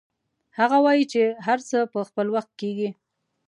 هغه وایي چې هر څه په خپل وخت کیږي